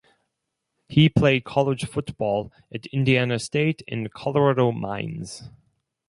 He played college football at Indiana State and Colorado Mines.